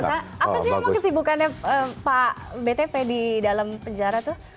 apa sih emang kesibukannya pak btp di dalam penjara tuh